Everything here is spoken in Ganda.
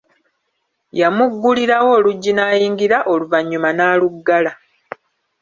Yamugulirawo oluggi n'ayingira oluvanyuma n'aluggala.